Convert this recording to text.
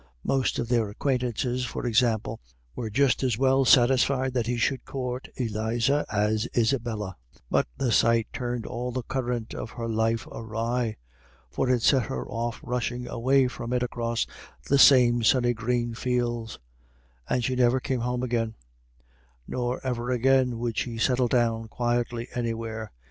Most of their acquaintances, for example, were just as well satisfied that he should court Eliza as Isabella. But the sight turned all the current of her life awry. For it set her off rushing away from it across the same sunny green fields, and she never came home again. Nor ever again would she settle down quietly anywhere.